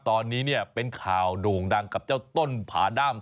ตอนนี้เนี่ยเป็นข่าวโด่งดังกับเจ้าต้นผาด้าม